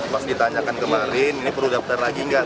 pas ditanyakan kemarin ini perlu daftar lagi nggak